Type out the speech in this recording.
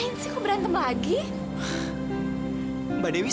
oh nek mau ngelamar juga jadi model